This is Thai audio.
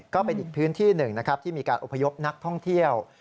ก็เป็นอีกพื้นที่หนึ่งที่มีการอุบายกนักท่องเที่ยว